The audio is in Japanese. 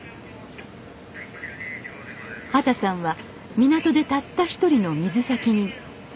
畑さんは港でたった一人の水先人。